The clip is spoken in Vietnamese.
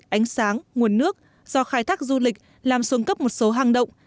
ánh sáng nguồn nước do khai thác du lịch làm xuân cấp một số hàng động